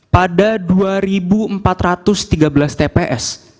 pada dua empat ratus tiga belas tps